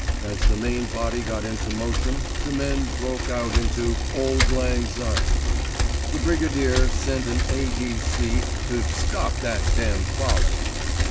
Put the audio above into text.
As the main body got into motion the men broke out into "Auld Lang Syne." The Brigadier sent an A.D.C. to "stop that damned folly."